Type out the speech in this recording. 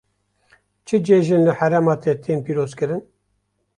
Çi cejin li herêma te tên pîrozkirin?